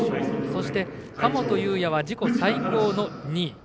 そして神本雄也は自己最高の２位。